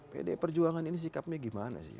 pdi perjuangan ini sikapnya gimana sih